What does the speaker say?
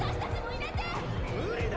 無理だ！